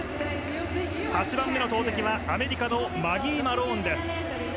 ８番目の投てきは、アメリカのマギー・マローンです。